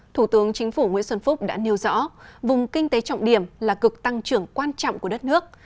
thủ tướng chính phủ nguyễn xuân phúc đã nêu rõ vùng kinh tế trọng điểm là cực tăng trưởng quan trọng của đất nước